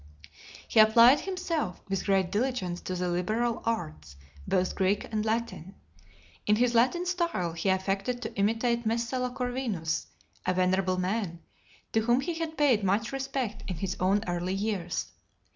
(235) LXX. He applied himself with great diligence to the liberal arts, both Greek and Latin. In his Latin style, he affected to imitate Messala Corvinus , a venerable man, to whom he had paid much respect in his own early years.